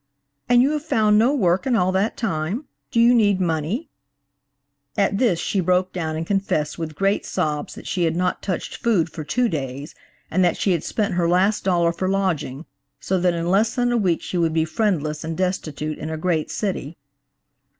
'And you have found no work in all that time? Do you need money?' At this she broke down and confessed with great sobs that she had not touched food for two days, and that she had spent her last dollar for lodging, so that in less than a week she would be friendless and destitute in a great city.